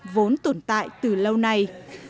vốn tồn tại từ lâu nay